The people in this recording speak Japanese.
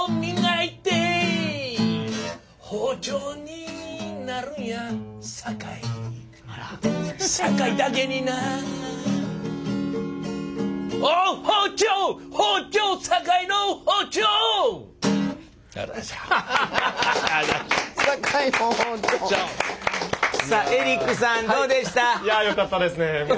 いやよかったですね。